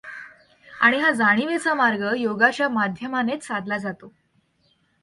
आणि हा जाणीवेचा मार्ग योगाच्या माध्यमानेच साधला जातो.